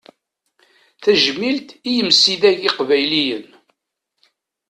Tajmilt i yimsidag iqbayliyen.